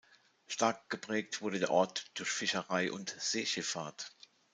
Stark geprägt wurde der Ort durch Fischerei und Seeschifffahrt.